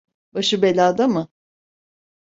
Başı belada mı?